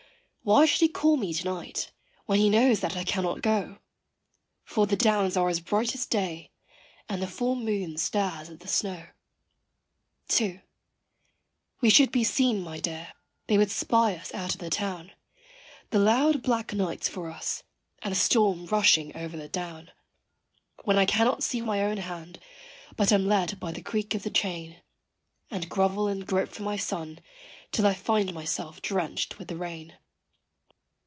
Why should he call me to night, when he knows that I cannot go? For the downs are as bright as day, and the full moon stares at the snow. II. We should be seen, my dear; they would spy us out of the town. The loud black nights for us, and the storm rushing over the down, When I cannot see my own hand, but am led by the creak of the chain, And grovel and grope for my son till I find myself drenched with the rain.